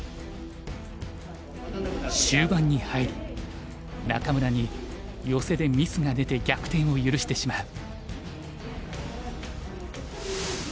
終盤に入り仲邑にヨセでミスが出て逆転を許してしまう。